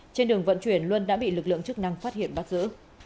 trên đường vận chuyển luân đã bị lực lượng chức năng phát hiện bắt giữ